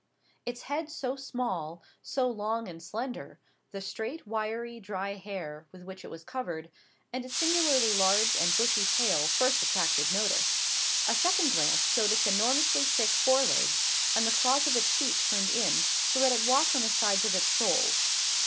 Its head so small, so long and slender; the straight, wiry, dry hair with which it was covered, and its singularly large and bushy tail, first attracted notice. A second glance showed its enormously thick fore legs, and the claws of its feet turned in, so that it walked on the sides of its soles.